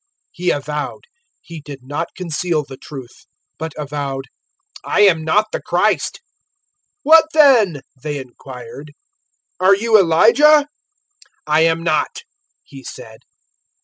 001:020 He avowed he did not conceal the truth, but avowed, "I am not the Christ." 001:021 "What then?" they inquired; "are you Elijah?" "I am not," he said.